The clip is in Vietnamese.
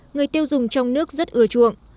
người tiêu dùng trong nước rất ưa chuộng